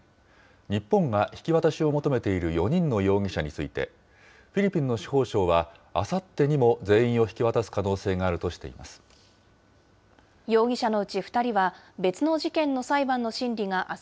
日本が引き渡しを求めている４人の容疑者について、フィリピンの司法相は、あさってにも全員を引き渡す可能性があるとしています。